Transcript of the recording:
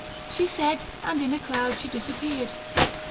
635 She said, and in a cloud she disappeared.